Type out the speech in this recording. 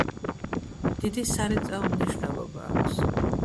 დიდი სარეწაო მნიშვნელობა აქვს.